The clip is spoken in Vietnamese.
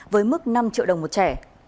với mức năm triệu đồng một trẻ